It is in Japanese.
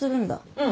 うん。